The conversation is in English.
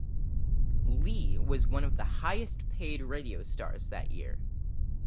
Lee was one of the highest paid radio stars that year.